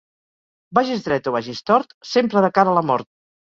Vagis dret o vagis tort, sempre de cara a la mort.